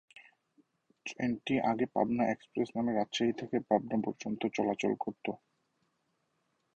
ট্রেনটি আগে পাবনা এক্সপ্রেস নামে রাজশাহী থেকে পাবনা পর্যন্ত চলাচল করতো।